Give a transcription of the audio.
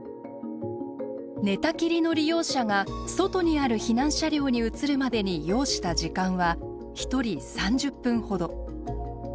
寝たきりの利用者が外にある避難車両に移るまでに要した時間は１人３０分ほど。